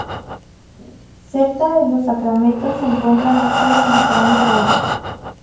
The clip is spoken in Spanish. Cerca de los Sacramentos se encuentran ángeles mostrando rollos.